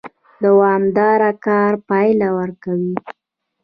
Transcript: دوامدار کار پایله ورکوي